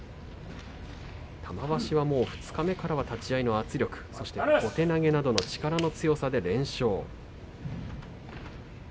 玉鷲は二日目からは立ち合いの圧力そして小手投げなど力の強さで連勝です。